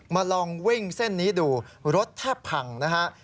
ลองวิ่งเส้นนี้ดูรถแทบพังนะฮะ